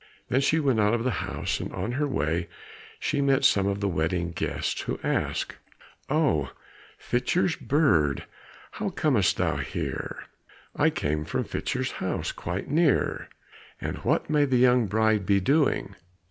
Then she went out of the house, and on her way she met some of the wedding guests, who asked, "O, Fitcher's bird, how com'st thou here?" "I come from Fitcher's house quite near." "And what may the young bride be doing?"